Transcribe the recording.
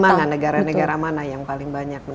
mana negara negara mana yang paling banyak